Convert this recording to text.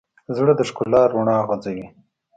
زړه د ښکلا رڼا غځوي.